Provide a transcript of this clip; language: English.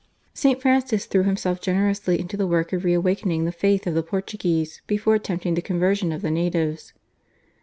St. Francis threw himself generously into the work of re awakening the faith of the Portuguese before attempting the conversion of the natives.